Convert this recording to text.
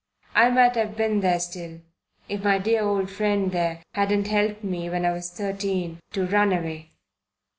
I might have been there still, if my dear old friend there hadn't helped me when I was thirteen to run away.